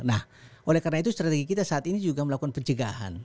nah oleh karena itu strategi kita saat ini juga melakukan pencegahan